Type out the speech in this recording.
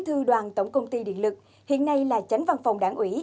thư đoàn tổng công ty điện lực hiện nay là chánh văn phòng đảng ủy